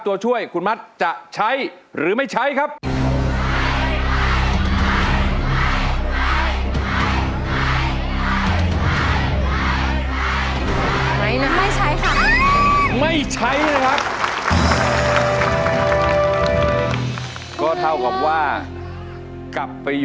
ตัวช่วยคุณมัดจะใช้หรือไม่ใช้ครับ